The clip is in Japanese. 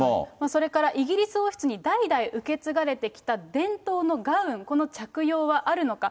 それからイギリス王室に代々受け継がれてきた伝統のガウン、この着用はあるのか。